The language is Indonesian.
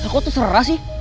kok terserah sih